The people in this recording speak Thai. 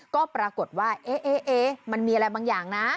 ก็ปรากฏว่ามันมีอะไรบางอย่างนะ